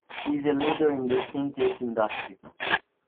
She is a leader in the Fintech industry.